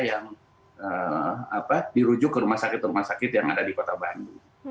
yang dirujuk ke rumah sakit rumah sakit yang ada di kota bandung